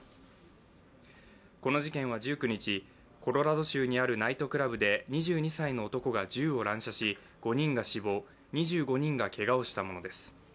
この事件は１９日、コロラド州にあるナイトクラブで２２歳の男が銃を乱射し５人が死亡、２５人がけがをしたものです。